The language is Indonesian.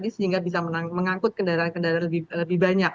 sehingga bisa mengangkut kendaraan kendaraan lebih banyak